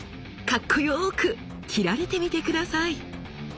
かっこよく斬られてみて下さい。